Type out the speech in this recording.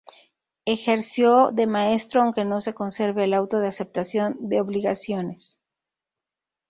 Ejerció de maestro aunque no se conserve el auto de aceptación de obligaciones.